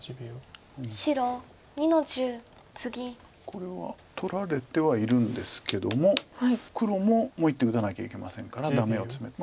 これは取られてはいるんですけども黒ももう１手打たなきゃいけませんからダメをツメる。